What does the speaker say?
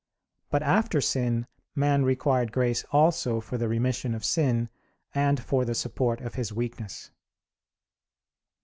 But after sin man required grace also for the remission of sin, and for the support of his weakness.